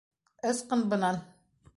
- Ысҡын бынан!